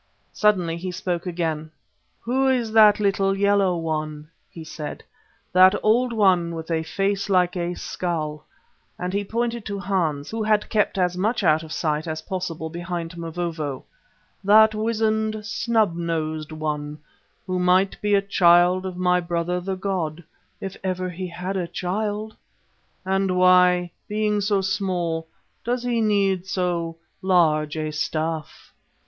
Suddenly he spoke again: "Who is that little yellow one," he said, "that old one with a face like a skull," and he pointed to Hans, who had kept as much out of sight as possible behind Mavovo, "that wizened, snub nosed one who might be a child of my brother the god, if ever he had a child? And why, being so small, does he need so large a staff?"